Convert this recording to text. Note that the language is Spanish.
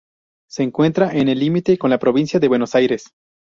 Se encuentra en el límite con la provincia de Buenos Aires.